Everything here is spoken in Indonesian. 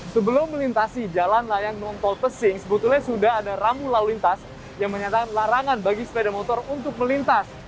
sebelum melintasi jalan layang nontol pesing sebetulnya sudah ada rambu lalu lintas yang menyatakan larangan bagi sepeda motor untuk melintas